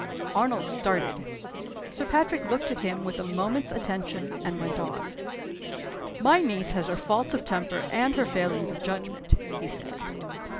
Arnold started. Sir Patrick looked at him with a moment's attention, and went on: "My niece has her faults of temper and her failings of judgment," he said.